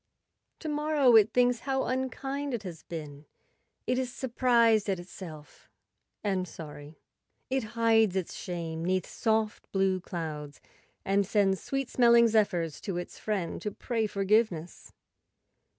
To morrow it thinks how unkind it has been; it is surprised at itself and sorry. It hides its shame 'neath soft blue clouds and sends sweet smelling zephyrs to its friend to pray forgiveness.